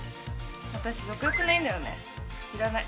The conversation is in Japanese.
私食欲ないんだよねいらない。